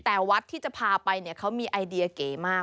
แต่วัดที่จะพาไปเนี่ยเขามีไอเดียเก๋มาก